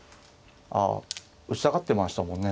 あ打ちたがってましたもんね